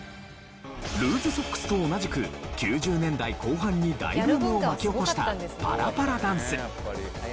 ルーズソックスと同じく９０年代後半に大ブームを巻き起こしたパラパラダンス。